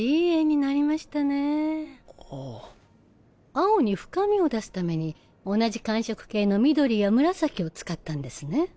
青に深みを出すために同じ寒色系の緑や紫を使ったんですね。